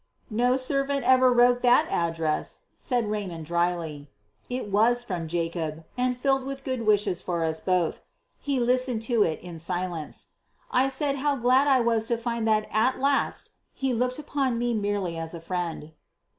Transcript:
"No servant ever wrote that address," said Raymond, dryly. It was from Jacob, and filled with good wishes for us both. He listened to it in silence. I said how glad I was to find that at last he looked upon me merely as a friend.